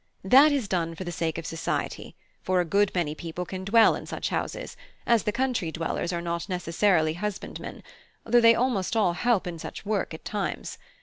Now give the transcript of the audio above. That is done for the sake of society, for a good many people can dwell in such houses, as the country dwellers are not necessarily husbandmen; though they almost all help in such work at times.